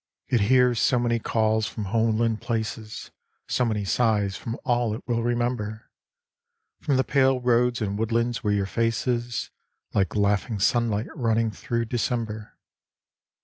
It hears so many calls from homeland places, So many sighs from all it will remember, From the pale roads and woodlands where your face is Like laughing sunlight running thro' Decem ber.